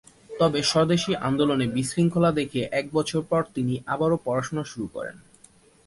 তবে স্বদেশী আন্দোলনে বিশৃঙ্খলা দেখে এক বছর পর তিনি আবার পড়াশোনা শুরু করেন।